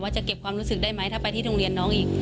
จะเก็บความรู้สึกได้ไหมถ้าไปที่โรงเรียนน้องอีก